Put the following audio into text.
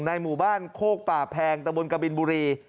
หมู่บ้านโคกป่าแพงตะบนกบินบุรี